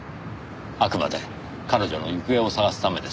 あくまで彼女の行方を探すためです。